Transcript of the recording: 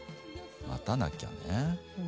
待たなきゃね。